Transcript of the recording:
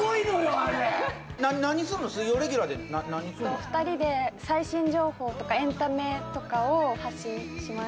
あれ２人で最新情報とかエンタメとかを発信します